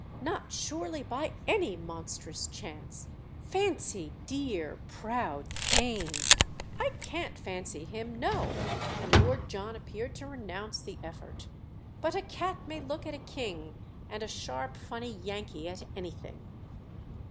"Not, surely, by any monstrous chance! Fancy dear, proud Theign———!" "I can't fancy him—no!" And Lord John appeared to renounce the effort. "But a cat may look at a king and a sharp funny Yankee at anything."